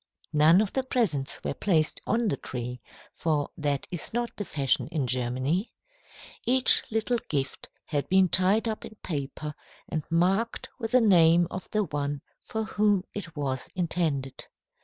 None of the presents were placed on the tree, for that is not the fashion in Germany. Each little gift had been tied up in paper and marked with the name of the one for whom it was intended.